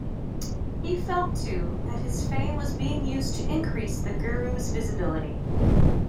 He felt too that his fame was being used to increase the guru's visibility.